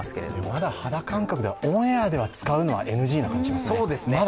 まだ肌感覚ではオンエアでは使うのがＮＧなんでしょうね。